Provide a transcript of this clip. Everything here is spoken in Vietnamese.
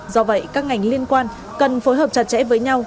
do vậy các ngành liên quan cần phối hợp chặt chẽ với nhau